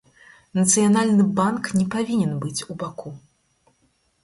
Нацыянальны банк не павінен быць убаку.